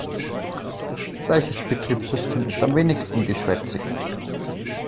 Welches Betriebssystem ist am wenigsten geschwätzig?